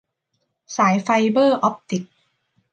สายไฟเบอร์ออปติก